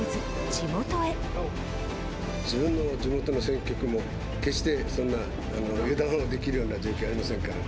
自分の地元の選挙区も決してそんな、油断できるような状況ではありませんから。